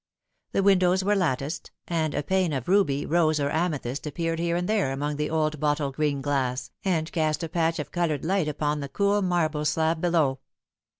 The windows were latticed, and a pane of ruby, rose, or amethyst appeared here and there among the old bottle green glass, and cast a patch of coloured light upon the cool marble slab below.